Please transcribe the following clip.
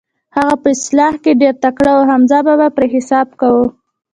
هغه په اصلاح کې ډېر تکړه و، حمزه بابا پرې حساب کاوه.